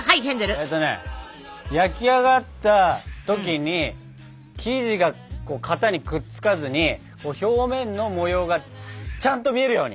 えとね焼き上がった時に生地が型にくっつかずに表面の模様がちゃんと見えるように！